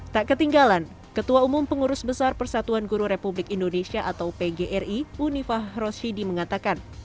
tak ketinggalan ketua umum pengurus besar persatuan guru republik indonesia atau pgri unifah roshidi mengatakan